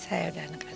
saya udah ngerasa